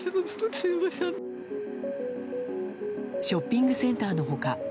ショッピングセンターの他